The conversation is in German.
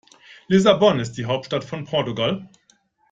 Lissabon ist die Hauptstadt von Portugal.